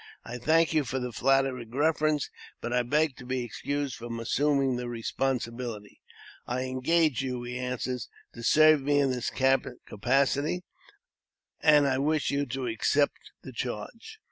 I thank you for the flattering preference, and I beg to be excused from assuming the responsibility." "I engaged you," he answered, "to serve me in this capacity, and I wish you to accept the charge."